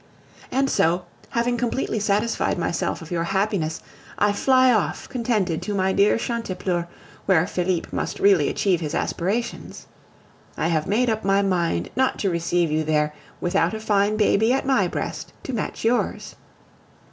And so, having completely satisfied myself of your happiness, I fly off contented to my dear Chantepleurs, where Felipe must really achieve his aspirations. I have made up my mind not to receive you there without a fine baby at my breast to match yours.